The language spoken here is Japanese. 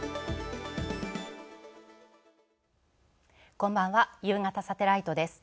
こんばんはゆうがたサテライトです